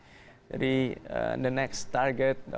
jadi target berikutnya